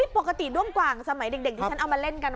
ปกติด้วงกว่างสมัยเด็กที่ฉันเอามาเล่นกัน